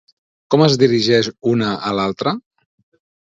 Com es dirigeix una a l'altra?